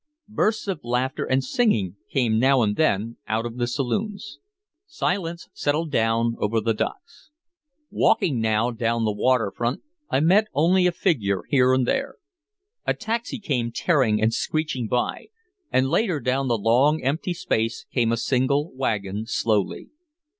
Bursts of laughter and singing came now and then out of the saloons. Silence settled down over the docks. Walking now down the waterfront I met only a figure here and there. A taxi came tearing and screeching by, and later down the long empty space came a single wagon slowly.